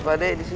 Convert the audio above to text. pada di sini